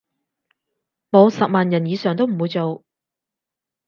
冇十萬人以上都唔會做